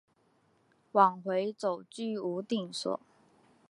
往回走居无定所